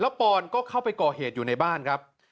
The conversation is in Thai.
ปอนก็เข้าไปก่อเหตุอยู่ในบ้านครับ